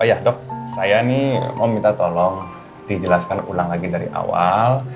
ya dok saya nih mau minta tolong dijelaskan ulang lagi dari awal